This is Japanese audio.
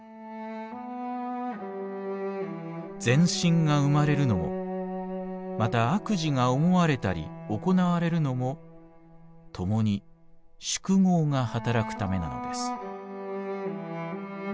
「善心が生まれるのもまた悪事が思われたり行われるのもともに『宿業』がはたらくためなのです」。